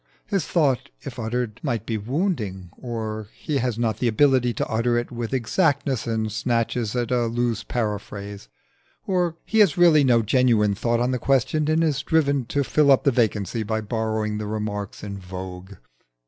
His thought, if uttered, might be wounding; or he has not the ability to utter it with exactness and snatches at a loose paraphrase; or he has really no genuine thought on the question and is driven to fill up the vacancy by borrowing the remarks in vogue.